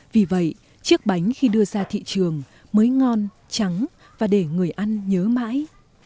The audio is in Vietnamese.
vì vậy chiếc bánh khi đưa ra thị trường mới ngon trắng và để người ăn nhớ mãi